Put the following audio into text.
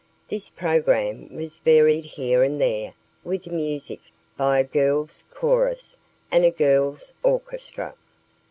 This program was varied here and there with music by a girls' chorus and a girls' orchestra.